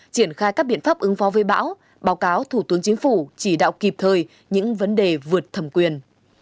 triển khai các biện pháp ứng phó với bão báo cáo thủ tướng chính phủ chỉ đạo kịp thời những vấn đề vượt thẩm quyền